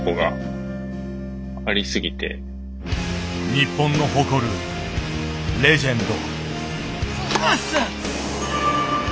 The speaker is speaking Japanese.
日本の誇るレジェンド。